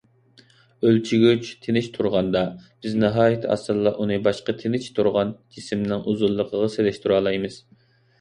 ئۆلچىگۈچ تىنچ تۇرغاندا، بىز ناھايىتى ئاسانلا ئۇنى باشقا تىنچ تۇرغان جىسىمنىڭ ئۇزۇنلۇقىغا سېلىشتۇرالايمىز.